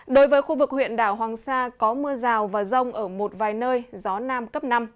đối với khu vực huyện đảo hoàng sa có mưa rào và rông ở một vài nơi gió nam cấp năm